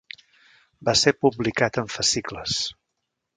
Va ser publicat en fascicles.